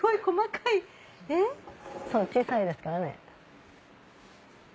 小さいですからね。